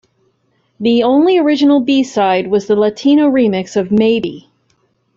The only original B-side was the Latino remix of "Maybe".